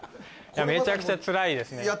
めちゃくちゃつらいですね